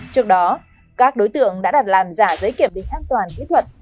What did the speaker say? trước đó các đối tượng đã đặt làm giả giấy kiểm định an toàn kỹ thuật